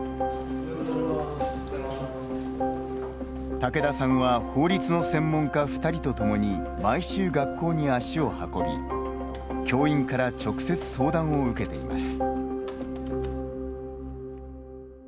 武田さんは法律の専門家２人と共に毎週学校に足を運び教員から直接相談を受けています。